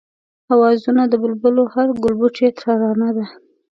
آوازونه د بلبلو هر گلبوټی ترانه ده